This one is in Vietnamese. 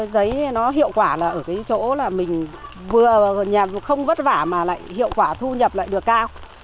giấy nó hiệu quả là ở chỗ mình vừa nhà không vất vả mà lại hiệu quả thu nhập lại được cao